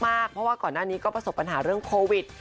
เพราะว่าก่อนหน้านี้ก็ประสบปัญหาเรื่องโควิด